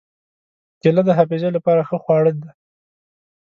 کېله د حافظې له پاره ښه خواړه ده.